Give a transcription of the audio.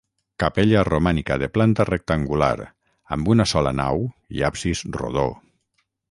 Capella romànica de planta rectangular, amb una sola nau i absis rodó.